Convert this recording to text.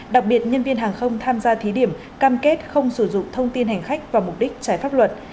đặc biệt nhân viên hàng không tham gia thí điểm cam kết không sử dụng thông tin hành khách vào mục đích trái pháp luật